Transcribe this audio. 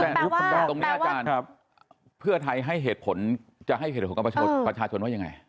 แต่ตรงนี้อาจารย์เพื่อไทยให้เหตุผลจะให้เหตุผลกับประชาชนว่ายังไง